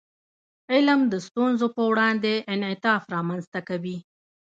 علم د ستونزو په وړاندې انعطاف رامنځته کوي.